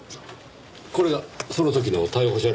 これがその時の逮捕者リストですね？